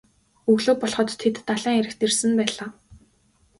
Өглөө болоход тэд далайн эрэгт ирсэн байлаа.